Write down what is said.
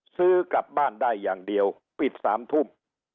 ซื้อกลับบ้านได้อย่างเดียวปิด๓ทุ่ม